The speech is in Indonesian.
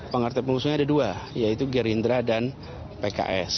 partai pengusungnya ada dua yaitu gerindra dan pks